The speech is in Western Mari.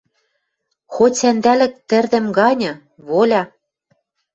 Хоть сӓндӓлӹк тӹрдӹм ганьы, воля